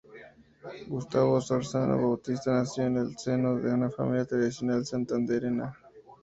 Gustavo Sorzano Bautista nació en el seno de una familia tradicional santandereana.